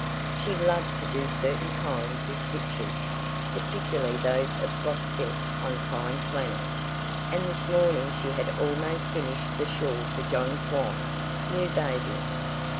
She loved to do certain kinds of stitches, particularly those of floss silk on fine flannel, and this morning she had almost finished the shawl for John's wife's new baby.